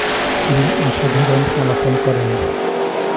তিনি অসাধারণ ফলাফল করেন।